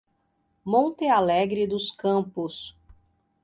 Monte Alegre dos Campos